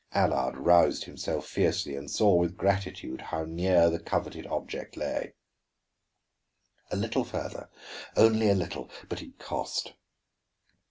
Allard roused himself fiercely and saw with gratitude how near the coveted object lay. A little farther, only a little; but it cost.